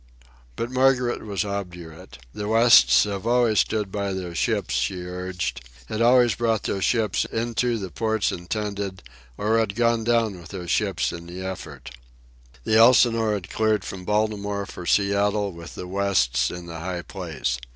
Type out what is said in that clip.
But Margaret was obdurate. The Wests had always stood by their ships, she urged; had always brought their ships in to the ports intended or had gone down with their ships in the effort. The Elsinore had cleared from Baltimore for Seattle with the Wests in the high place.